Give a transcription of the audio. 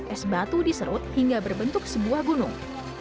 es batu diserut hingga berbentuk sebuah gunung